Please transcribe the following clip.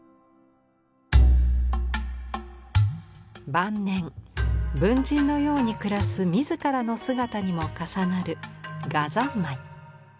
晩年文人のように暮らす自らの姿にも重なる「画三昧」。